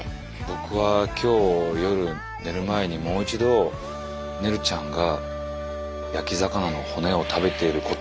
僕は今日夜寝る前にもう一度ねるちゃんが焼き魚の骨を食べていることを思い出すと思います。